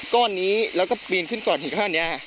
ก้อนนี้แล้วก็ปีนขึ้นก่อนหินก้อนเนี้ยค่ะ